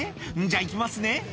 「じゃあ行きますね」